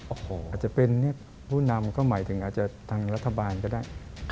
โอ้โหอาจจะเป็นผู้นำก็หมายถึงอาจจะทางรัฐบาลก็ได้